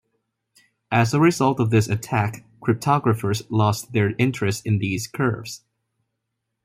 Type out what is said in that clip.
As a result of this attack, cryptographers lost their interest in these curves.